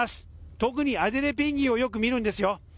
特にアデリーペンギンをよく見るんですよ。